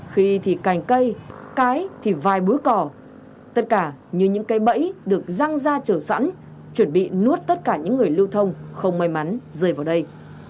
khi thì cành cây cái thì vài búi cỏ tất cả như những cây bẫy được răng ra chở sẵn chuẩn bị nuốt tất cả những người lưu thông không may mắn rơi vào đây